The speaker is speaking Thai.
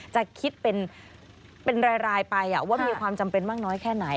จะคิดเป็นรายไปว่ามีความจำเป็นมากน้อยแค่ไหน